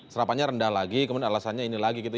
serapannya rendah lagi kemudian alasannya ini lagi gitu